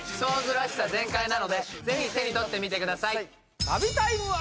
らしさ全開なのでぜひ手に取ってみてください